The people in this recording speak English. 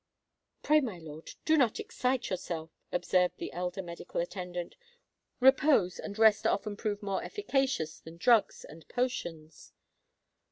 "Pray, my lord, do not excite yourself," observed the elder medical attendant. "Repose and rest often prove more efficacious than drugs and potions."